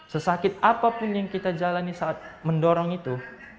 sesakit apapun yang kita jalani saat mendorong itu